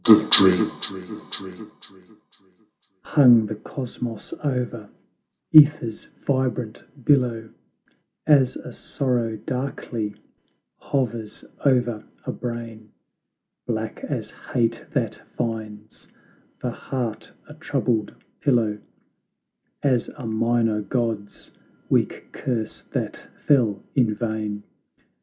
The Dream. Hung the Cosmos over JEther's vibrant billow, As a sorrow darkly hovers o'er a brain; Black as hate that finds the heart a troubled pillow; As a minor god's weak curse that fell in vain!